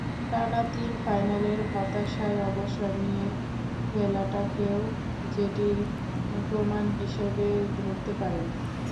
টানা তিন ফাইনালের হতাশায় অবসর নিয়ে ফেলাটাকেও যেটির প্রমাণ হিসেবে ধরতে পারেন।